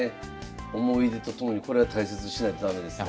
思い出と共にこれは大切にしないと駄目ですね。